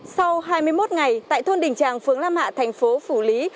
sau hai mươi một ngày tại thôn đình tràng phương lam hạ thành phố phủ lý